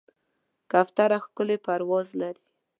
کوتره ښکلی پرواز لري.